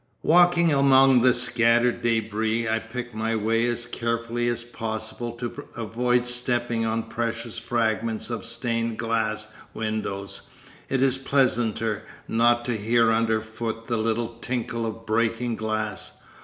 Walking among the scattered débris, I pick my way as carefully as possible to avoid stepping on precious fragments of stained glass windows; it is pleasanter not to hear underfoot the little tinkle of breaking glass.